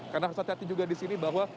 karena harus hati hati juga di sini bahwa